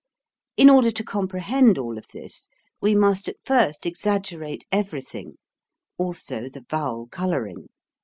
In order to comprehend all of this, we must at first exaggerate everything, also the vowel color ing.